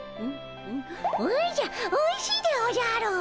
おじゃおいしいでおじゃる！